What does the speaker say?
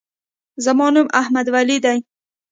زما نوم احمدولي دی.